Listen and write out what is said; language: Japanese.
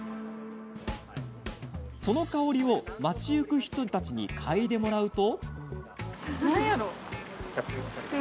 その香りを町行く人たちに嗅いでもらうと。